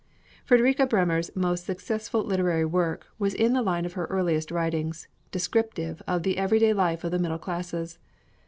Fredrika Bremer's most successful literary work was in the line of her earliest writings, descriptive of the every day life of the middle classes.